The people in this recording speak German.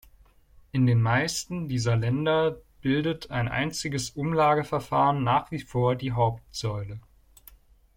In den meisten dieser Länder bildet ein einziges Umlageverfahren nach wie vor die Hauptsäule.